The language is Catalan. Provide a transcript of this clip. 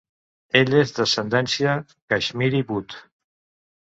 Ell és d'ascendència Kashmiri Butt.